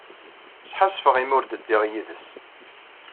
Sḥassfeɣ imi ur ddiɣ yid-s.